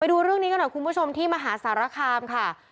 ดูเรื่องนี้กันหน่อยคุณผู้ชมที่มหาสารคามค่ะ